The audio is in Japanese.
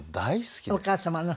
お母様の？